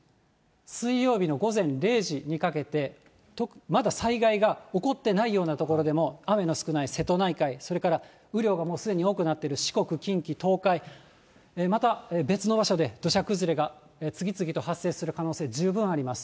水曜日の午前０時にかけて、まだ災害が起こってないような所でも、雨の少ない瀬戸内海、それから雨量がもうすでに多くなっている四国、近畿、東海。また別の場所で土砂崩れが次々と発生する可能性十分あります。